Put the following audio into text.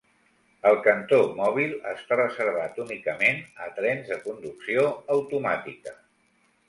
El cantó mòbil està reservat únicament a trens de conducció automàtica.